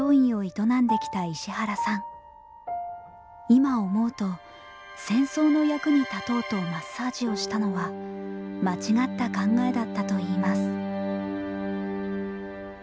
今思うと戦争の役に立とうとマッサージをしたのは間違った考えだったといいます。